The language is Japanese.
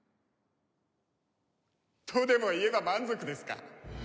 とでも言えば満足ですか？